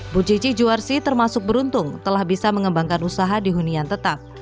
bu cici juwarsi termasuk beruntung telah bisa mengembangkan usaha di hunian tetap